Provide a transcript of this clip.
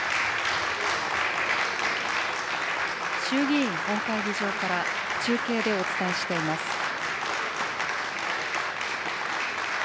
衆議院本会議場から中継でお伝えしています。